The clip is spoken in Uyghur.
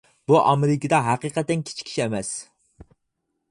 بۇ ئامېرىكىدا ھەقىقەتەن كىچىك ئىش ئەمەس.